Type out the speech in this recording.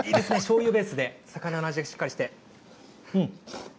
もう、煮干しのしょうゆベースで、魚の味がしっかりして。